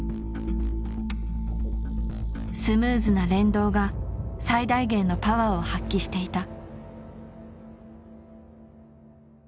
スムーズな連動が最大限のパワーを発揮していた。